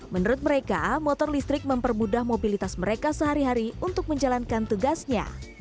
menurut mereka motor listrik mempermudah mobilitas mereka sehari hari untuk menjalankan tugasnya